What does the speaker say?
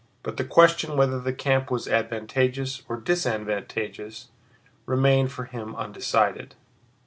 But the question whether the camp was advantageous or disadvantageous remained for him undecided.